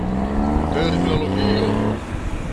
Terminologio.